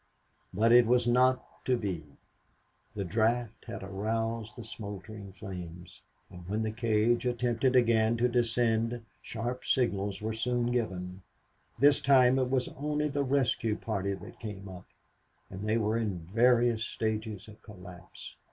But it was not to be! The draft had aroused the smoldering flames, and when the cage attempted again to descend sharp signals were soon given. This time it was only the rescue party that came up, and they were in various stages of collapse.